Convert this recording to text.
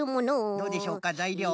どうでしょうかざいりょう。